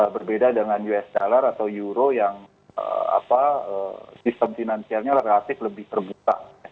berbeda dengan usd atau euro yang sistem finansialnya relatif lebih terbuka